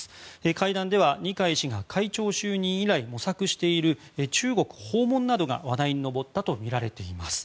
会談では、二階氏が会長就任以来、模索している中国訪問などが話題に上ったとみられています。